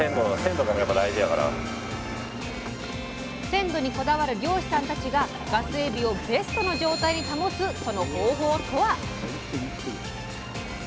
鮮度にこだわる漁師さんたちがガスエビをベストの状態に保つその方法とは？